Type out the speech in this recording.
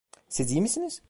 Siz iyi misiniz?